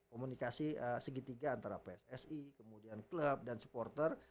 komunikasi segitiga antara pssi kemudian klub dan supporter